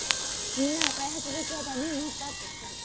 みんなは開発部行きは駄目になったって言ってる。